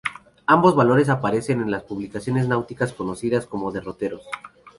Ambos valores aparecen en las publicaciones náuticas conocidas como derroteros.